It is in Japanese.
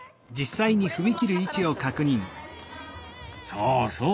そうそう！